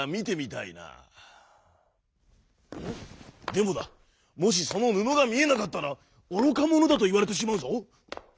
でもだもしそのぬのがみえなかったらおろかものだといわれてしまうぞ。